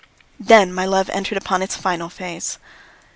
Then my love entered upon its final phase.